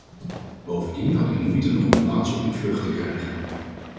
Bovendien had ik moeite nog een plaats op een vlucht te krijgen.